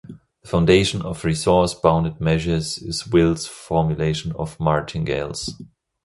The foundation of resource-bounded measure is Ville's formulation of martingales.